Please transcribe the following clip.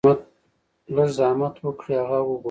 لږ زحمت اوکړئ هغه اوګورئ -